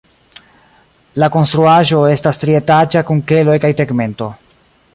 La konstruaĵo estas trietaĝa kun keloj kaj tegmento.